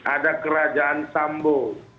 ada kerajaan sambu